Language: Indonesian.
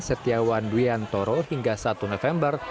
setiawan duyantoro hingga satu november